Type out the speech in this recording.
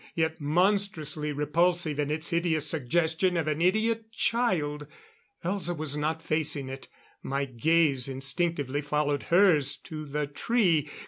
Yet monstrously repulsive in its hideous suggestion of an idiot child. Elza was not facing it; my gaze instinctively followed hers to the tree.